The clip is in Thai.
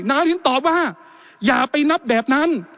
นารินตอบว่าอย่าไปนับแบบนั้น